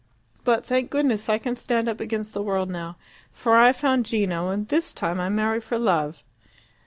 But, thank goodness, I can stand up against the world now, for I've found Gino, and this time I marry for love!"